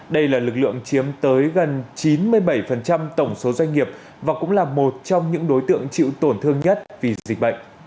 đây là lực lượng chiếm tới gần chín mươi bảy tổng số doanh nghiệp và cũng là một trong những đối tượng chịu tổn thương nhất vì dịch bệnh